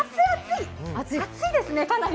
熱いですね、かなり。